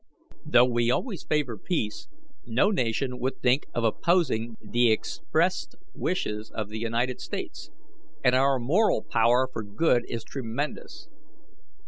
Though we always favour peace, no nation would think of opposing the expressed wishes of the United States, and our moral power for good is tremendous.